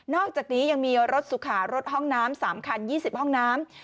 อกจากนี้ยังมีรถสุขารถห้องน้ำ๓คัน๒๐ห้องน้ำ